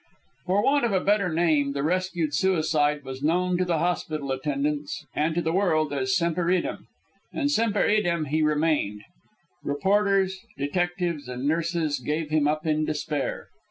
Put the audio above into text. For want of a better name, the rescued suicide was known to the hospital attendants, and to the world, as Semper Idem. And Semper Idem he remained. Reporters, detectives, and nurses gave him up in despair.